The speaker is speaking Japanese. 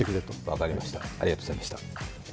分かりました、ありがとうございました。